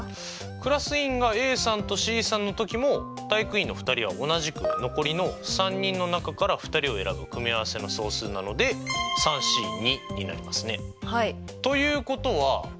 クラス委員がＡさんとＣさんの時も体育委員の２人は同じく残りの３人の中から２人を選ぶ組合せの総数なのでＣになりますね。ということはそうか。